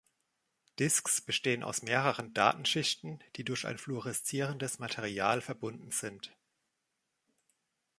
Discs bestehen aus mehreren Datenschichten, die durch ein fluoreszierendes Material verbunden sind.